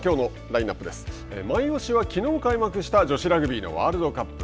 マイオシはきのう開幕した女子ラグビーのワールドカップ。